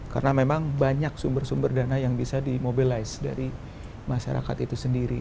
karena memang banyak sumber sumber dana yang bisa di mobilize dari masyarakat itu sendiri